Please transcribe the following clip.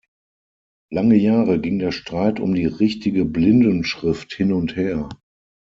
Lange Jahre ging der Streit um die richtige Blindenschrift hin und her.